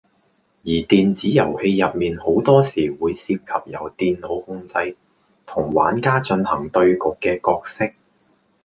而電子遊戲入面好多時會涉及由電腦控制，同玩家進行對局嘅角色